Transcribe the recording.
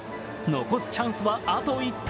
残すチャンスはあと１投。